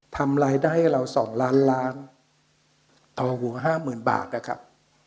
ทำรายได้ให้เรา๒ล้านล้านต่อหัวห้าหมื่นบาทนะครับ